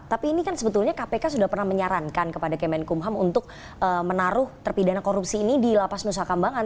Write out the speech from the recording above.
tapi ini kan sebetulnya kpk sudah pernah menyarankan kepada kemenkumham untuk menaruh terpidana korupsi ini di lapas nusa kambangan